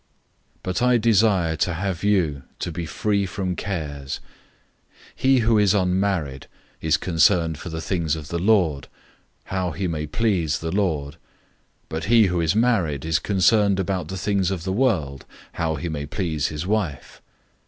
007:032 But I desire to have you to be free from cares. He who is unmarried is concerned for the things of the Lord, how he may please the Lord; 007:033 but he who is married is concerned about the things of the world, how he may please his wife.